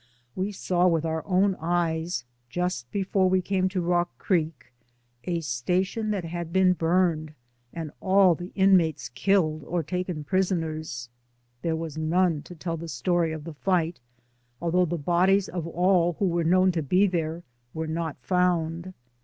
We saw with our own eyes — ^just before we came to Rock Creek — a station that had been burned and all the inmates killed or taken prisoners; there were none to tell the story of the fight, although the bodies of all who were known to be there were not found.